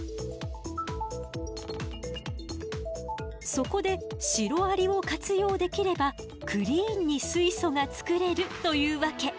そこでシロアリを活用できればクリーンに水素が作れるというわけ。